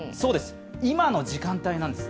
今の時間帯なんです